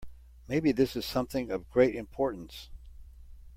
Maybe this is something of great importance.